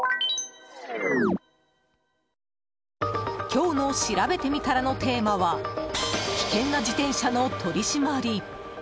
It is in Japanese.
今日のしらべてみたらのテーマは危険な自転車の取り締まり。